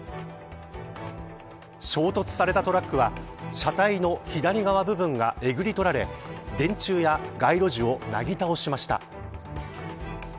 衝突されたトラックは車体の左側部分がえぐり取られ電柱や街路樹をなぎ倒しました。